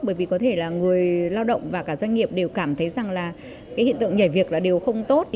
bởi vì có thể là người lao động và doanh nghiệp đều cảm thấy rằng là hiện tượng nhảy việc đều không tốt